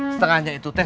setengahnya itu tes